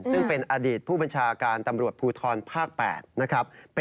ซึ่งเป็นอดีตผู้บัญชาการตำรวจภูทรภาค๘นะครับ